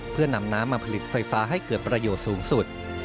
เพื่อนำน้ำมาผลิตไฟฟ้าให้เกิดประโยชน์สูงสุด